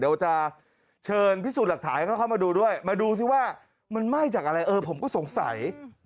เดี๋ยวจะเชิญพิสูจน์หลักฐานเข้ามาดูด้วยมาดูซิว่ามันไหม้จากอะไรเออผมก็สงสัย